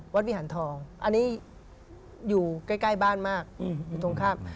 วิหารทองอันนี้อยู่ใกล้บ้านมากอยู่ตรงข้าม